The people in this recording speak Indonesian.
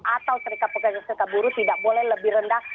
atau serikat pekerja serikat buruh tidak boleh lebih rendah